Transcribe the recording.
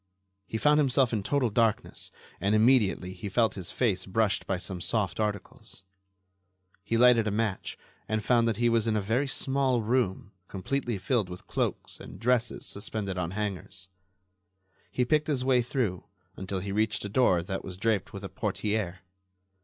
He found himself in total darkness and immediately he felt his face brushed by some soft articles. He lighted a match and found that he was in a very small room completely filled with cloaks and dresses suspended on hangers. He picked his way through until he reached a door that was draped with a portiere.